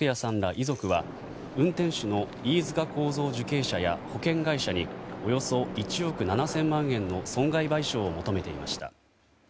遺族は運転手の飯塚幸三受刑者や保険会社におよそ１億７０００万円の損害賠償を求めていました。